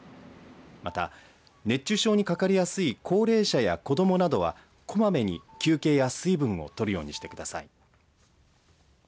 また、熱中症にかかりやすい高齢者や子どもなどはこまめに休憩や水分を取るようにしてください。